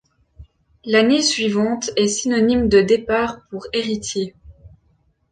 L'année suivante est synonyme de départ pour Héritier.